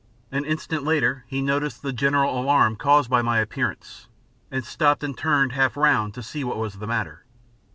An instant later, he noticed the general alarm caused by my appearance, and stopped and turned half round to see what was the matter.